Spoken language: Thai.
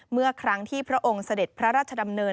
เมื่อครั้งที่พระองค์เสด็จพระราชดำเนิน